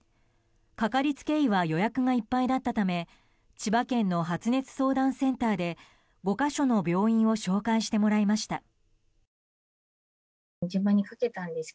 かかりつけ医は予約がいっぱいだったため千葉県の発熱相談センターで５か所の病院を紹介してもらいました。